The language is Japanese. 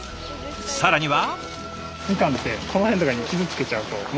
更には。